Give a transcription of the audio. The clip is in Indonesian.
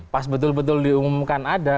pas betul betul diumumkan ada